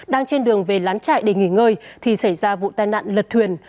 đang trên đường về lán chạy để nghỉ ngơi thì xảy ra vụ tai nạn lật thuyền